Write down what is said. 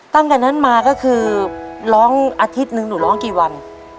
ตั้งแต่นั้นมาก็คือร้องอาทิตย์หนึ่งหนูร้องกี่วัน